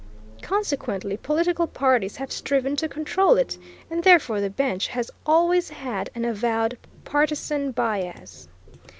Consequently, political parties have striven to control it, and therefore the bench has always had an avowed partisan bias.